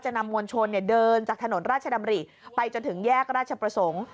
นำมวลชนเดินจากถนนราชดำริไปจนถึงแยกราชประสงค์